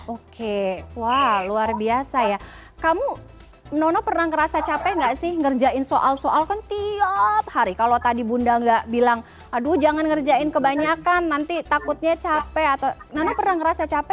oke wah luar biasa ya kamu nono pernah ngerasa capek gak sih ngerjain soal soal kan tiap hari kalau tadi bunda nggak bilang aduh jangan ngerjain kebanyakan nanti takutnya capek atau nono pernah ngerasa capek